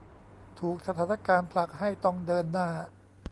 ถูกสถานการณ์ผลักให้ต้องเดินหน้า